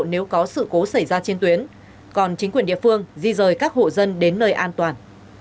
nếu có sự cố xảy ra trên tuyến còn chính quyền địa phương di rời các hộ dân đến nơi an toàn